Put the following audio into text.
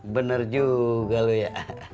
bener juga lu ya